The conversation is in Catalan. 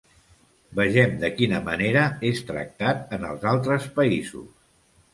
Vegem de quina manera és tractat en els altres països.